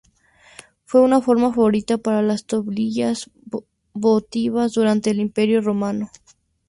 Fue una forma favorita para las tablillas votivas durante el Imperio Romano.